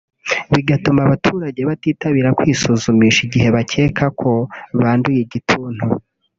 bigatuma abaturage bitabira kwisuzumisha igihe bakeka ko banduye igituntu